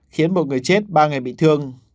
khiến một người chết ba người bị thương